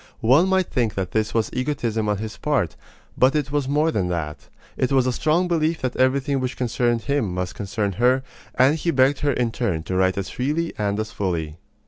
One might think that this was egotism on his part; but it was more than that. It was a strong belief that everything which concerned him must concern her; and he begged her in turn to write as freely and as fully.